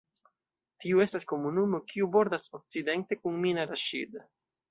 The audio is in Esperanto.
Tiu estas komunumo kiu bordas okcidente kun Mina Raŝid.